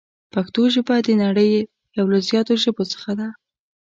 پښتو ژبه د نړۍ یو له زیاتو ژبو څخه ده.